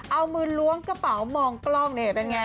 เอามือล้วงกระเป๋ามองกล้องนี่เป็นไง